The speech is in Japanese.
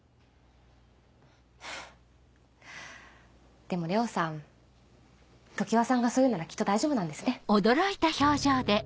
フフっでも玲緒さん常葉さんがそう言うならきっと大丈夫なんですね。